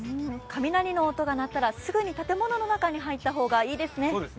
雷の音が鳴ったらすぐに建物の中に入った方がいいですね。